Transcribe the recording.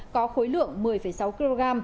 có khối lượng một mươi sáu kg